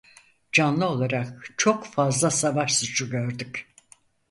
Canlı olarak çok fazla savaş suçu gördük.